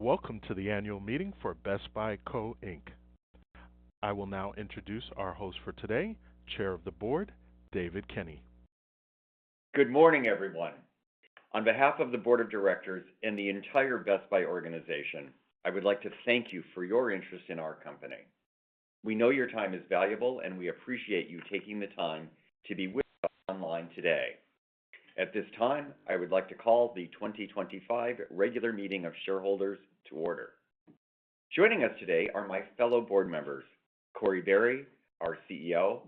Welcome to the annual meeting for Best Buy Co., Inc. I will now introduce our host for today, Chair of the Board, David Kenny. Good morning, everyone. On behalf of the Board of Directors and the entire Best Buy organization, I would like to thank you for your interest in our company. We know your time is valuable, and we appreciate you taking the time to be with us online today. At this time, I would like to call the 2025 regular meeting of shareholders to order. Joining us today are my fellow board members, Corie Barry, our CEO,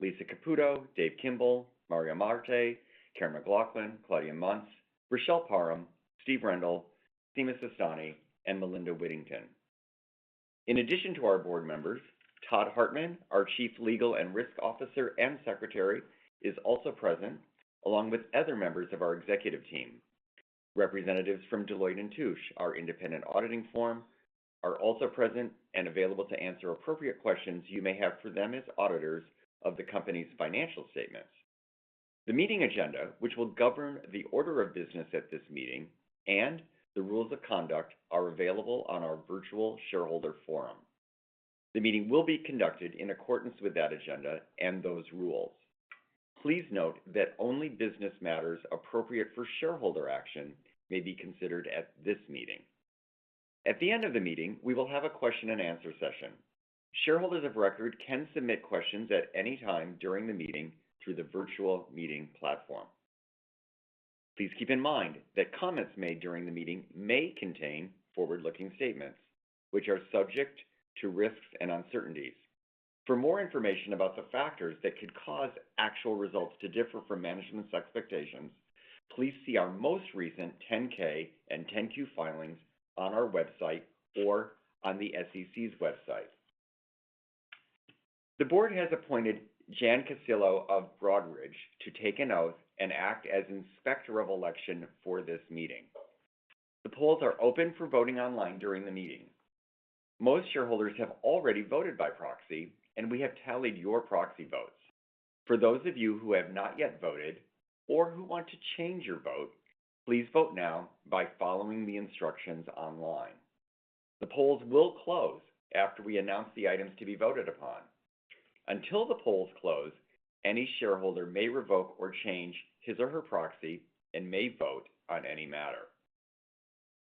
Lisa Caputo, Dave Kimbell, Mario Marte, Karen McLoughlin, Claudia Munce, Rochelle Parham, Steve Rendle, Sima Sistani, and Melinda Whittington. In addition to our board members, Todd Hartman, our Chief Legal and Risk Officer and Secretary, is also present, along with other members of our executive team. Representatives from Deloitte & Touche, our independent auditing firm, are also present and available to answer appropriate questions you may have for them as auditors of the company's financial statements. The meeting agenda, which will govern the order of business at this meeting and the rules of conduct, is available on our virtual shareholder forum. The meeting will be conducted in accordance with that agenda and those rules. Please note that only business matters appropriate for shareholder action may be considered at this meeting. At the end of the meeting, we will have a question-and-answer session. Shareholders of record can submit questions at any time during the meeting through the virtual meeting platform. Please keep in mind that comments made during the meeting may contain forward-looking statements, which are subject to risks and uncertainties. For more information about the factors that could cause actual results to differ from management's expectations, please see our most recent 10-K and 10-Q filings on our website or on the SEC's website. The board has appointed Jan Cecilio of Broadridge to take an oath and act as inspector of election for this meeting. The polls are open for voting online during the meeting. Most shareholders have already voted by proxy, and we have tallied your proxy votes. For those of you who have not yet voted or who want to change your vote, please vote now by following the instructions online. The polls will close after we announce the items to be voted upon. Until the polls close, any shareholder may revoke or change his or her proxy and may vote on any matter.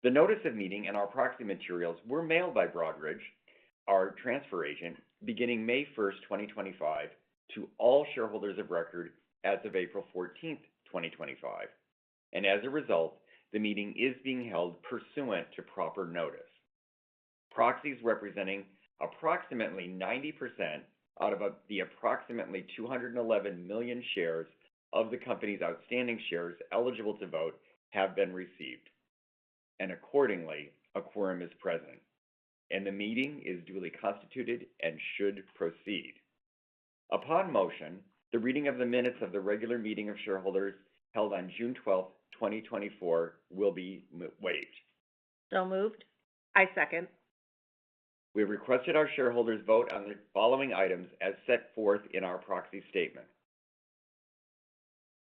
The notice of meeting and our proxy materials were mailed by Broadridge, our transfer agent, beginning May 1, 2025, to all shareholders of record as of April 14, 2025, and as a result, the meeting is being held pursuant to proper notice. Proxies representing approximately 90% out of the approximately 211 million shares of the company's outstanding shares eligible to vote have been received, and accordingly, a quorum is present, and the meeting is duly constituted and should proceed. Upon motion, the reading of the minutes of the regular meeting of shareholders held on June 12, 2024, will be waived. So moved. I second. We have requested our shareholders vote on the following items as set forth in our proxy statement.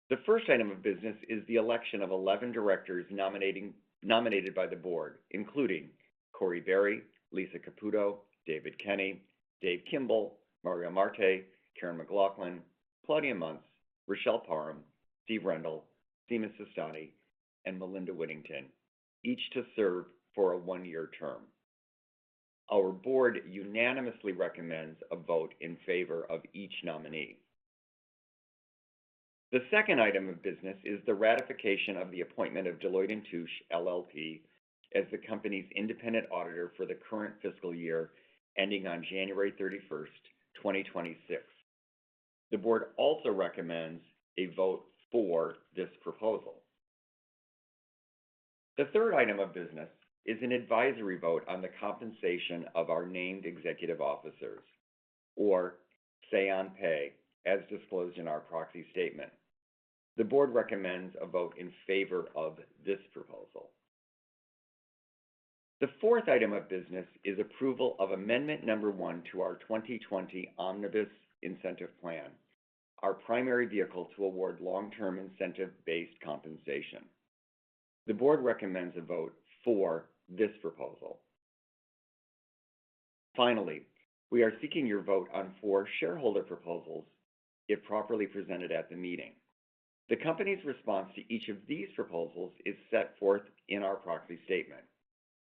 The first item of business is the election of 11 directors nominated by the board, including Corie Barry, Lisa Caputo, David Kenny, Dave Kimbell, Mario Marte, Karen McLoughlin, Claudia Munce, Rochelle Parham, Steve Rendle, Sima Sistani, and Melinda Whittington, each to serve for a one-year term. Our board unanimously recommends a vote in favor of each nominee. The second item of business is the ratification of the appointment of Deloitte & Touche LLP as the company's independent auditor for the current fiscal year ending on January 31, 2026. The board also recommends a vote for this proposal. The third item of business is an advisory vote on the compensation of our named executive officers, or Say-on-Pay, as disclosed in our proxy statement. The board recommends a vote in favor of this proposal. The fourth item of business is approval of amendment number one to our 2020 Omnibus Incentive Plan, our primary vehicle to award long-term incentive-based compensation. The board recommends a vote for this proposal. Finally, we are seeking your vote on four shareholder proposals if properly presented at the meeting. The company's response to each of these proposals is set forth in our Proxy Statement.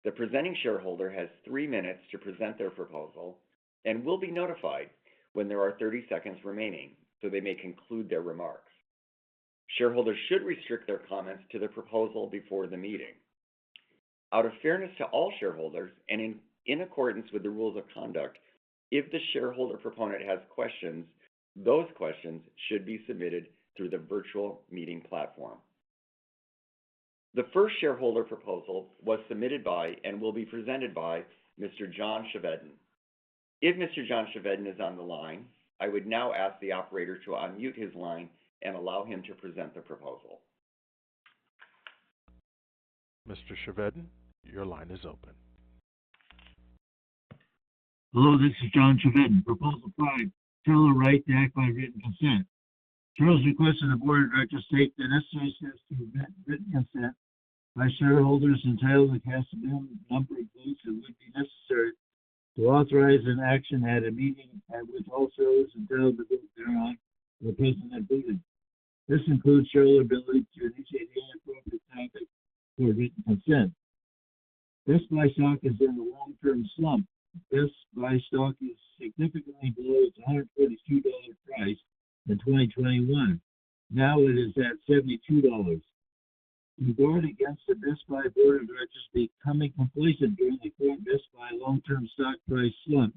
The presenting shareholder has three minutes to present their proposal and will be notified when there are 30 seconds remaining, so they may conclude their remarks. Shareholders should restrict their comments to the proposal before the meeting. Out of fairness to all shareholders and in accordance with the rules of conduct, if the shareholder proponent has questions, those questions should be submitted through the virtual meeting platform. The first shareholder proposal was submitted by and will be presented by Mr. John Chevedden. If Mr. John Chevedden is on the line, I would now ask the operator to unmute his line and allow him to present the proposal. Mr. Chevedden, your line is open. Hello, this is John Chevedden. Proposal five, title right to act by written consent. Shareholders request the board of directors take the necessary steps to allow written consent by shareholders entitled to cast a number of votes that would be necessary to authorize an action at a meeting at which all shareholders entitled to vote thereon are present and voted. This includes shareholder ability to initiate any appropriate tactic for written consent. Best Buy stock is in the long-term slump. Best Buy stock is significantly below its $142 price in 2021. Now it is at $72. To guard against the Best Buy Board of Directors becoming complacent during the current Best Buy long-term stock price slump,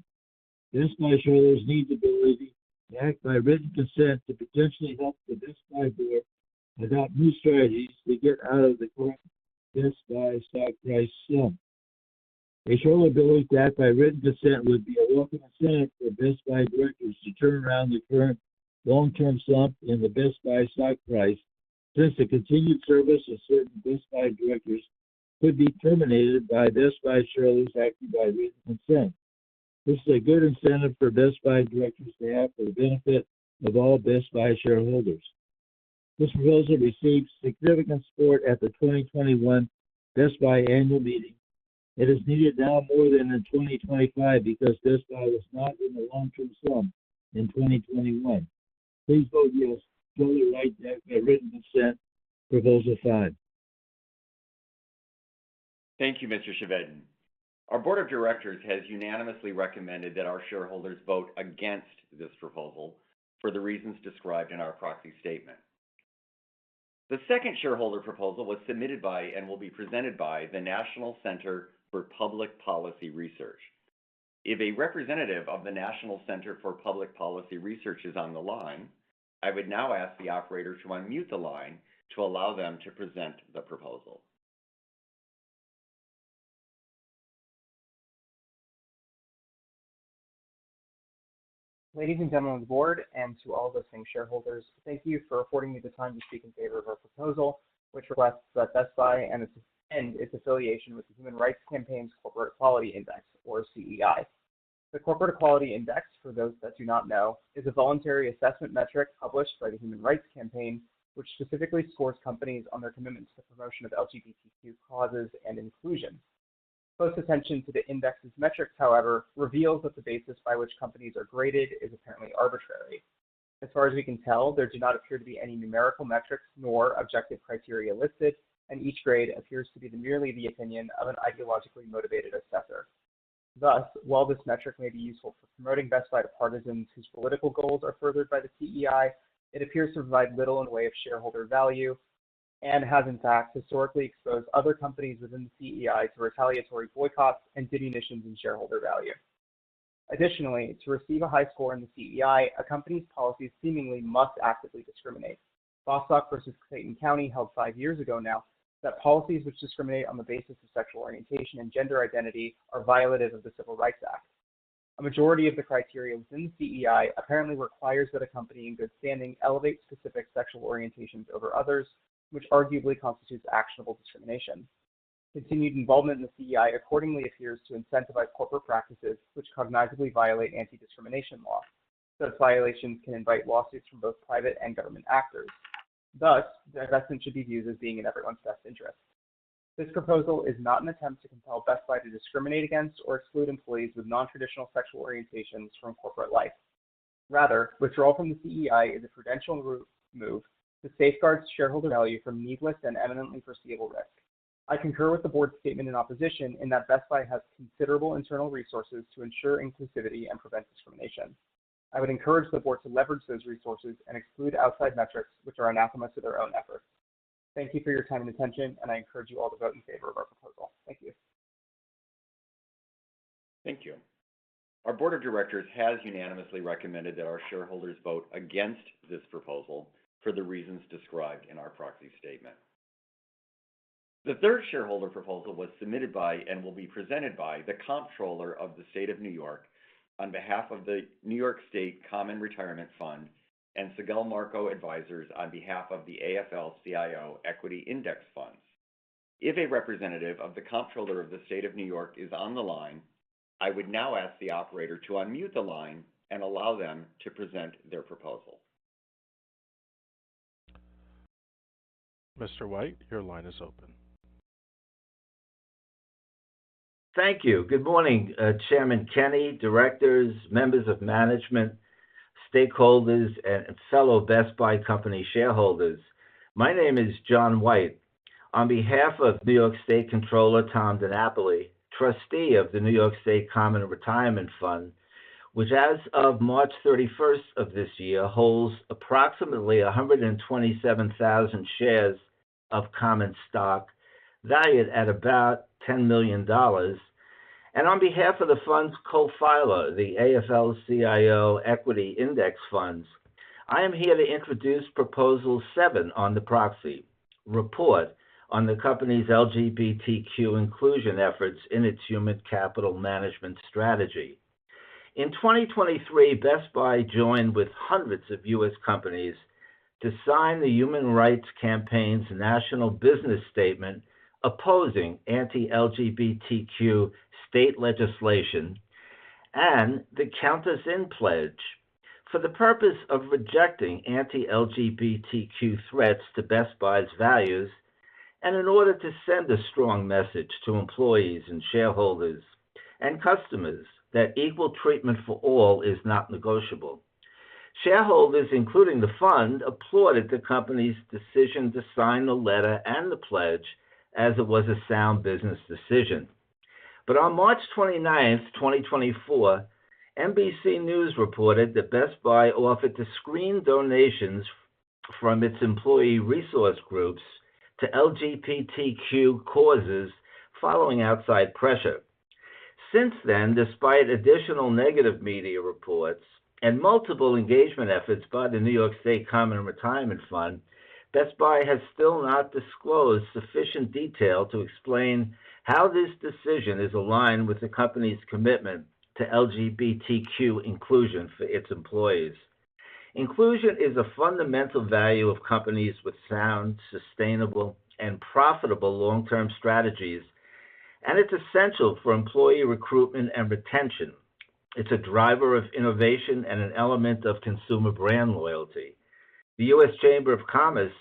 Best Buy shareholders need the ability to act by written consent to potentially help the Best Buy Board adopt new strategies to get out of the current Best Buy stock price slump. A shareholder ability to act by written consent would be a welcome incentive for Best Buy directors to turn around the current long-term slump in the Best Buy stock price since the continued service of certain Best Buy directors could be terminated by Best Buy shareholders acting by written consent. This is a good incentive for Best Buy directors to act for the benefit of all Best Buy shareholders. This proposal received significant support at the 2021 Best Buy annual meeting. It is needed now more than in 2025 because Best Buy was not in the long-term slump in 2021. Please vote yes. Show the right to act by written consent to proposal five. Thank you, Mr. Chevedden. Our board of directors has unanimously recommended that our shareholders vote against this proposal for the reasons described in our proxy statement. The second shareholder proposal was submitted by and will be presented by the National Center for Public Policy Research. If a representative of the National Center for Public Policy Research is on the line, I would now ask the operator to unmute the line to allow them to present the proposal. Ladies and gentlemen of the board and to all listening shareholders, thank you for affording me the time to speak in favor of our proposal, which requests that Best Buy end its affiliation with the Human Rights Campaign's Corporate Equality Index, or CEI. The Corporate Equality Index, for those that do not know, is a voluntary assessment metric published by the Human Rights Campaign, which specifically scores companies on their commitments to the promotion of LGBTQ causes and inclusion. Close attention to the index's metrics, however, reveals that the basis by which companies are graded is apparently arbitrary. As far as we can tell, there do not appear to be any numerical metrics nor objective criteria listed, and each grade appears to be merely the opinion of an ideologically motivated assessor. Thus, while this metric may be useful for promoting Best Buy to partisans whose political goals are furthered by the CEI, it appears to provide little in the way of shareholder value and has, in fact, historically exposed other companies within the CEI to retaliatory boycotts and diminutions in shareholder value. Additionally, to receive a high score in the CEI, a company's policies seemingly must actively discriminate. Bostock v. Clayton County held five years ago now that policies which discriminate on the basis of sexual orientation and gender identity are violative of the Civil Rights Act. A majority of the criteria within the CEI apparently requires that a company in good standing elevate specific sexual orientations over others, which arguably constitutes actionable discrimination. Continued involvement in the CEI accordingly appears to incentivize corporate practices which cognitively violate anti-discrimination law. Such violations can invite lawsuits from both private and government actors. Thus, their investment should be viewed as being in everyone's best interest. This proposal is not an attempt to compel Best Buy to discriminate against or exclude employees with non-traditional sexual orientations from corporate life. Rather, withdrawal from the CEI is a prudential move to safeguard shareholder value from needless and eminently foreseeable risk. I concur with the board's statement in opposition in that Best Buy has considerable internal resources to ensure inclusivity and prevent discrimination. I would encourage the board to leverage those resources and exclude outside metrics which are anathema to their own efforts. Thank you for your time and attention, and I encourage you all to vote in favor of our proposal. Thank you. Thank you. Our board of directors has unanimously recommended that our shareholders vote against this proposal for the reasons described in our proxy statement. The third shareholder proposal was submitted by and will be presented by the Comptroller of the State of New York on behalf of the New York State Common Retirement Fund and Segal Marco Advisors on behalf of the AFL-CIO Equity Index Funds. If a representative of the Comptroller of the State of New York is on the line, I would now ask the operator to unmute the line and allow them to present their proposal. Mr. White, your line is open. Thank you. Good morning, Chairman Kenny, directors, members of management, stakeholders, and fellow Best Buy company shareholders. My name is John White. On behalf of New York State Comptroller Tom DiNapoli, trustee of the New York State Common Retirement Fund, which as of March 31 of this year holds approximately 127,000 shares of common stock valued at about $10 million, and on behalf of the fund's co-filer, the AFL-CIO Equity Index Funds, I am here to introduce proposal seven on the proxy report on the company's LGBTQ inclusion efforts in its human capital management strategy. In 2023, Best Buy joined with hundreds of U.S. companies to sign the Human Rights Campaign's national business statement opposing anti-LGBTQ state legislation and the Count Us In Pledge for the purpose of rejecting anti-LGBTQ threats to Best Buy's values and in order to send a strong message to employees and shareholders and customers that equal treatment for all is not negotiable. Shareholders, including the fund, applauded the company's decision to sign the letter and the pledge as it was a sound business decision. But on March 29, 2024, NBC News reported that Best Buy offered to screen donations from its employee resource groups to LGBTQ causes following outside pressure. Since then, despite additional negative media reports and multiple engagement efforts by the New York State Common Retirement Fund, Best Buy has still not disclosed sufficient detail to explain how this decision is aligned with the company's commitment to LGBTQ inclusion for its employees. Inclusion is a fundamental value of companies with sound, sustainable, and profitable long-term strategies, and it's essential for employee recruitment and retention. It's a driver of innovation and an element of consumer brand loyalty. The U.S. Chamber of Commerce,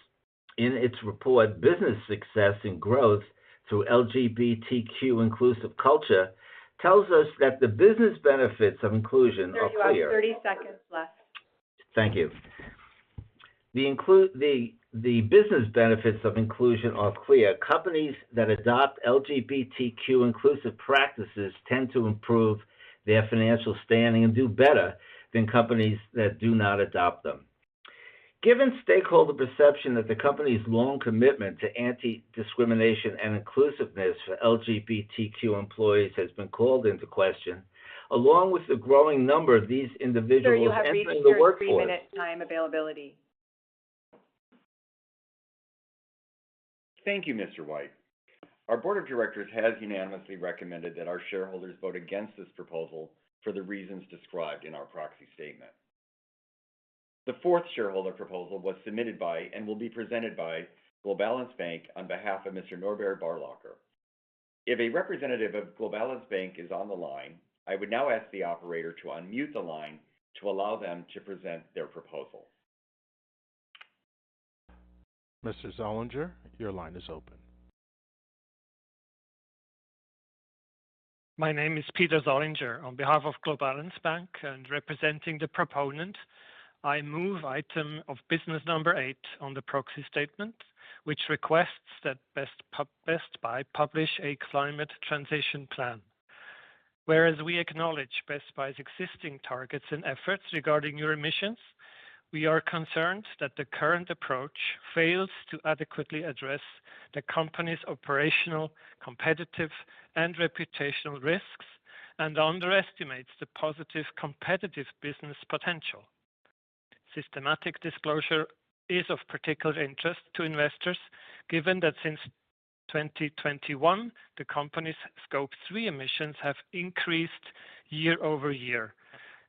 in its report, "Business Success and Growth through LGBTQ Inclusive Culture," tells us that the business benefits of inclusion are clear. We have 30 seconds left. Thank you. The business benefits of inclusion are clear. Companies that adopt LGBTQ inclusive practices tend to improve their financial standing and do better than companies that do not adopt them. Given stakeholder perception that the company's long commitment to anti-discrimination and inclusiveness for LGBTQ employees has been called into question, along with the growing number of these individuals entering the workforce. We have three-minute time availability. Thank you, Mr. White. Our board of directors has unanimously recommended that our shareholders vote against this proposal for the reasons described in our proxy statement. The fourth shareholder proposal was submitted by and will be presented by Globalance Bank on behalf of Mr. Norbert Bärlocher. If a representative of Globalance Bank is on the line, I would now ask the operator to unmute the line to allow them to present their proposal. Mr. Zollinger, your line is open. My name is Peter Zollinger. On behalf of Globalance Bank and representing the proponent, I move item of business number eight on the proxy statement, which requests that Best Buy publish a climate transition plan. Whereas we acknowledge Best Buy's existing targets and efforts regarding new emissions, we are concerned that the current approach fails to adequately address the company's operational, competitive, and reputational risks and underestimates the positive competitive business potential. Systematic disclosure is of particular interest to investors given that since 2021, the company's Scope 3 emissions have increased year over year,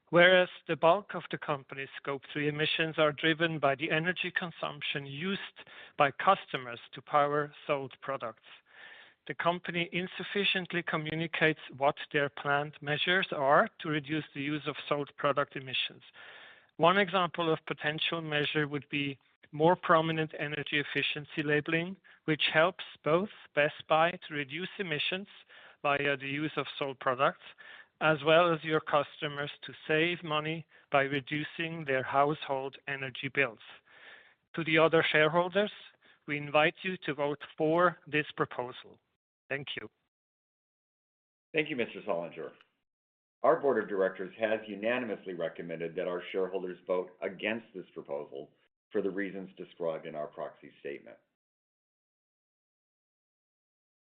whereas the bulk of the company's Scope 3 emissions are driven by the energy consumption used by customers to power sold products. The company insufficiently communicates what their planned measures are to reduce the use of sold product emissions. One example of potential measure would be more prominent energy efficiency labeling, which helps both Best Buy to reduce emissions via the use of sold products, as well as your customers to save money by reducing their household energy bills. To the other shareholders, we invite you to vote for this proposal. Thank you. Thank you, Mr. Zollinger. Our board of directors has unanimously recommended that our shareholders vote against this proposal for the reasons described in our proxy statement.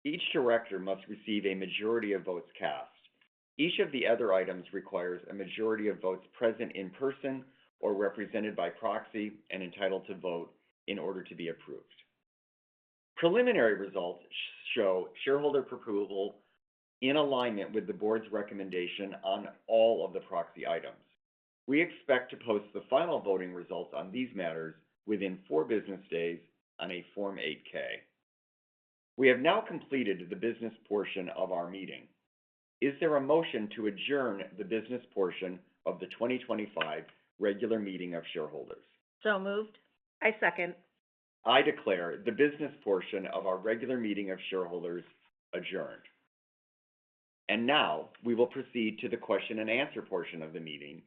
Each director must receive a majority of votes cast. Each of the other items requires a majority of votes present in person or represented by proxy and entitled to vote in order to be approved. Preliminary results show shareholder approval in alignment with the board's recommendation on all of the proxy items. We expect to post the final voting results on these matters within four business days on a Form 8-K. We have now completed the business portion of our meeting. Is there a motion to adjourn the business portion of the 2025 regular meeting of shareholders? So moved. I second. I declare the business portion of our regular meeting of shareholders adjourned. And now we will proceed to the question and answer portion of the meeting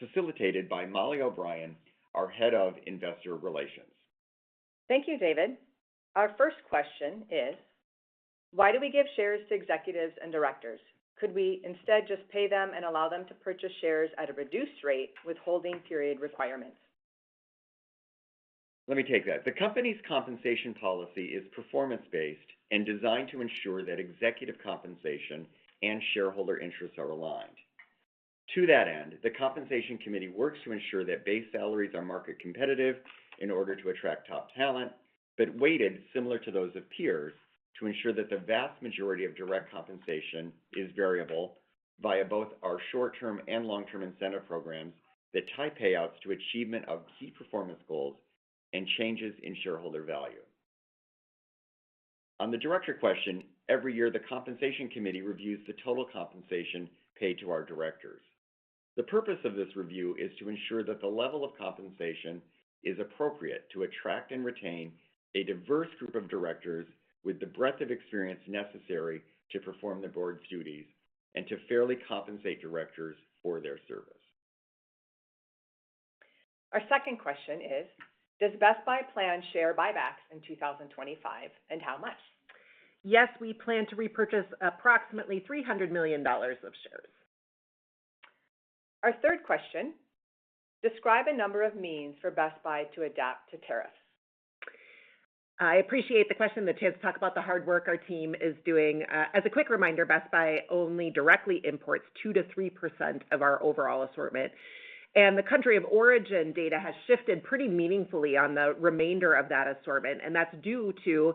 facilitated by Molly O'Brien, our Head of Investor Relations. Thank you, David. Our first question is, why do we give shares to executives and directors? Could we instead just pay them and allow them to purchase shares at a reduced rate with holding period requirements? Let me take that. The company's compensation policy is performance-based and designed to ensure that executive compensation and shareholder interests are aligned. To that end, the Compensation Committee works to ensure that base salaries are market competitive in order to attract top talent, but weighted similar to those of peers to ensure that the vast majority of direct compensation is variable via both our short-term and long-term incentive programs that tie payouts to achievement of key performance goals and changes in shareholder value. On the director question, every year, the Compensation Committee reviews the total compensation paid to our directors. The purpose of this review is to ensure that the level of compensation is appropriate to attract and retain a diverse group of directors with the breadth of experience necessary to perform the board's duties and to fairly compensate directors for their service. Our second question is, does Best Buy plan share buybacks in 2025 and how much? Yes, we plan to repurchase approximately $300 million of shares. Our third question, describe a number of means for Best Buy to adapt to tariffs. I appreciate the question that talks about the hard work our team is doing. As a quick reminder, Best Buy only directly imports 2% to 3% of our overall assortment. And the country of origin data has shifted pretty meaningfully on the remainder of that assortment. And that's due to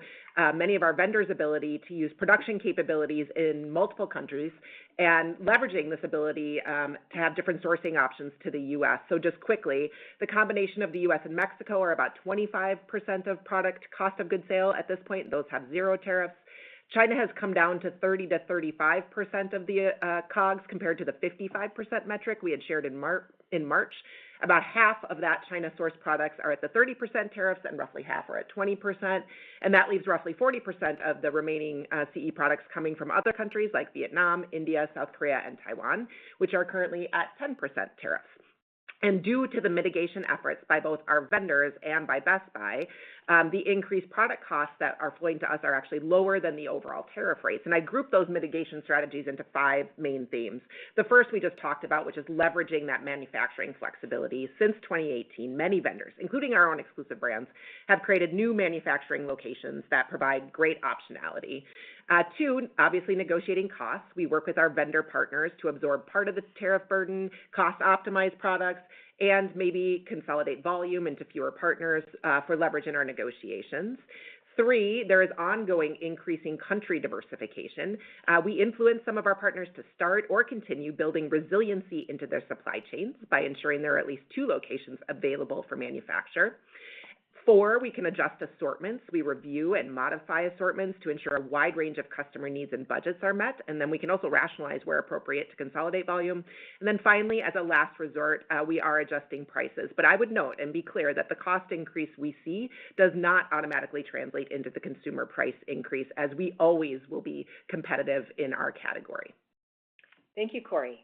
many of our vendors' ability to use production capabilities in multiple countries and leveraging this ability to have different sourcing options to the U.S. So just quickly, the combination of the U.S. and Mexico are about 25% of product cost of goods sold at this point. Those have zero tariffs. China has come down to 30%-35% of the COGS compared to the 55% metric we had shared in March. About half of that China-sourced products are at the 30% tariffs and roughly half are at 20%. And that leaves roughly 40% of the remaining CE products coming from other countries like Vietnam, India, South Korea, and Taiwan, which are currently at 10% tariffs. And due to the mitigation efforts by both our vendors and by Best Buy, the increased product costs that are flowing to us are actually lower than the overall tariff rates. And I group those mitigation strategies into five main themes. The first we just talked about, which is leveraging that manufacturing flexibility. Since 2018, many vendors, including our own exclusive brands, have created new manufacturing locations that provide great optionality. Two, obviously negotiating costs. We work with our vendor partners to absorb part of the tariff burden, cost-optimize products, and maybe consolidate volume into fewer partners for leverage in our negotiations. Three, there is ongoing increasing country diversification. We influence some of our partners to start or continue building resiliency into their supply chains by ensuring there are at least two locations available for manufacture. Four, we can adjust assortments. We review and modify assortments to ensure a wide range of customer needs and budgets are met, and then we can also rationalize where appropriate to consolidate volume, and then finally, as a last resort, we are adjusting prices. But I would note and be clear that the cost increase we see does not automatically translate into the consumer price increase, as we always will be competitive in our category. Thank you, Corie.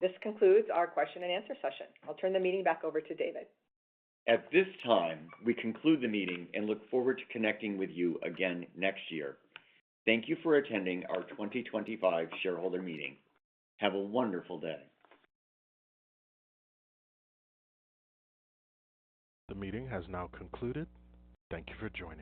This concludes our question and answer session. I'll turn the meeting back over to David. At this time, we conclude the meeting and look forward to connecting with you again next year. Thank you for attending our 2025 shareholder meeting. Have a wonderful day. The meeting has now concluded. Thank you for joining.